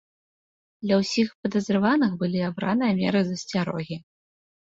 Для ўсіх падазраваных былі абраныя меры засцярогі.